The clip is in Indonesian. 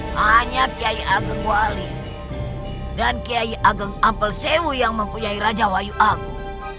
hanya kiai agus wali dan kiai ageng ampel sewu yang mempunyai raja wayu agung